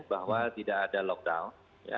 bahwa tidak ada lockdown